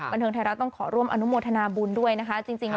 บันเทิงไทยรัฐต้องขอร่วมอนุโมทนาบุญด้วยนะคะจริงแล้ว